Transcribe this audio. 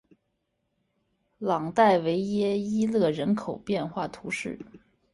朗代维耶伊勒人口变化图示